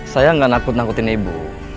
saya nggak nakut nakutin ibu